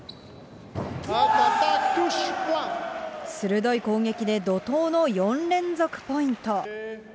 鋭い攻撃で怒とうの４連続ポイント。